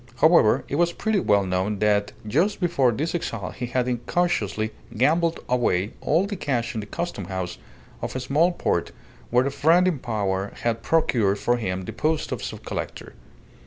However, it was pretty well known that just before this exile he had incautiously gambled away all the cash in the Custom House of a small port where a friend in power had procured for him the post of subcollector.